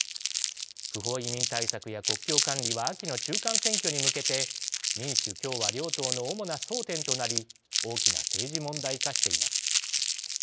不法移民対策や国境管理は秋の中間選挙に向けて民主・共和両党の主な争点となり大きな政治問題化しています。